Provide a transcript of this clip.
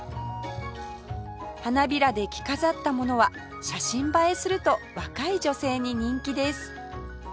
花びらで着飾ったものは写真映えすると若い女性に人気です